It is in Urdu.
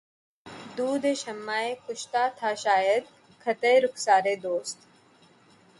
دودِ شمعِ کشتہ تھا شاید خطِ رخسارِ دوست